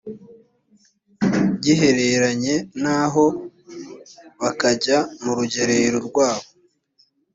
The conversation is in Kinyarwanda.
gihereranye n aho bakajya mu rugerero rwabo